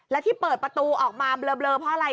และที่เปิดประตูออกมาเบลอเพราะอะไร